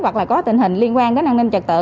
hoặc là có tình hình liên quan đến an ninh trật tự